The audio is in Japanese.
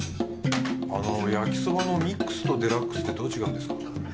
あの焼そばのミックスとデラックスってどう違うんですか？